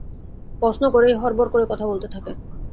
প্রশ্ন করেই হড়বড় করে কথা বলতে থাকে।